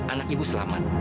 anak ibu selamat